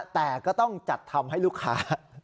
แต่ก็ต้องจัดทำให้ลูกค้า